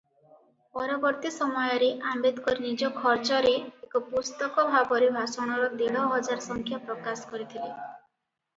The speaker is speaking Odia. ପରବର୍ତ୍ତୀ ସମୟରେ ଆମ୍ବେଦକର ନିଜ ଖର୍ଚ୍ଚରେ ଏକ ପୁସ୍ତକ ଭାବରେ ଭାଷଣର ଦେଢ଼ହଜାର ସଂଖ୍ୟା ପ୍ରକାଶ କରିଥିଲେ ।